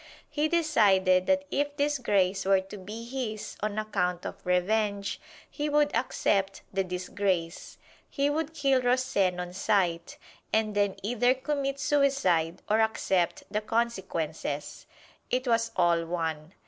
He decided that if disgrace were to be his on account of revenge, he would accept the disgrace. He would kill Rosen on sight and then either commit suicide or accept the consequences: it was all one!